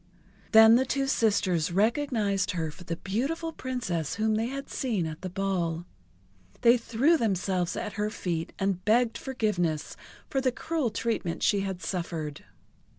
Then the two sisters recognized her for the beautiful Princess whom they had seen at the ball. They threw themselves at her feet, and begged forgiveness for the cruel treatment she had suffered.